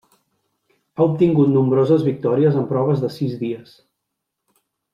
Ha obtingut nombroses victòries en proves de sis dies.